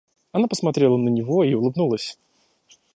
Она посмотрела на него и улыбнулась.